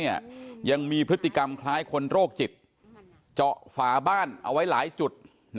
ยังมีพฤติกรรมคล้ายคนโรคจิตเจาะฝาบ้านเอาไว้หลายจุด